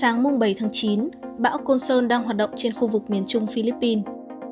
ngày chín tháng chín bão côn sơn đang hoạt động trên khu vực miền trung philippines